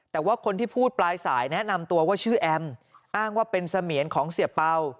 แต่ว่าคนที่พูดปลายสายแนะนำตัวว่าชื่อแอมอ้างว่าเป็นเสมียนของเสียเป่า